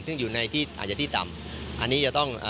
ซึ่งอยู่ในที่อาจจะที่ต่ำอันนี้จะต้อง